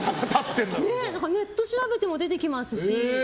ネット調べても出てきますし。